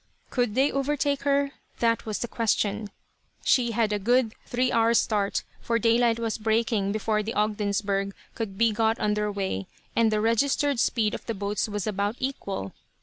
Could they overtake her? That was the question. She had a good three hours start, for daylight was breaking before the Ogdensburgh could be got under way, and the registered speed of the boats was about equal.